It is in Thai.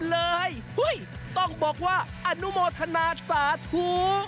เลยต้องบอกว่าอนุโมทนาสาธุ